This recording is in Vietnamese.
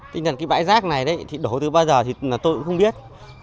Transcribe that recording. tình trạng cái bãi rác này đổ từ bao giờ thì tôi cũng không biết